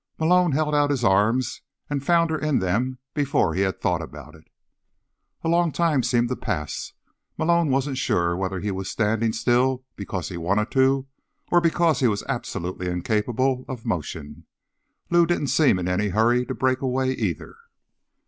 Malone held out his arms, and found her in them before he had thought about it. A long time seemed to pass. Malone wasn't sure whether he was standing still because he wanted to, or because he was absolutely incapable of motion. Lou didn't seem in any hurry to break away, either.